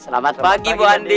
selamat pagi bu andin